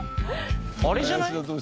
あれじゃない？